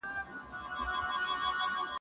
نه! دا زه یم، بنارس دی او جامونه